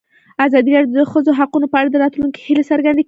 ازادي راډیو د د ښځو حقونه په اړه د راتلونکي هیلې څرګندې کړې.